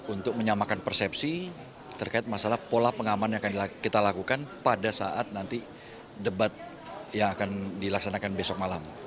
untuk menyamakan persepsi terkait masalah pola pengaman yang akan kita lakukan pada saat nanti debat yang akan dilaksanakan besok malam